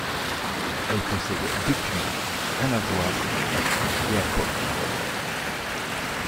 Elle possède deux puits, un lavoir, et à coke.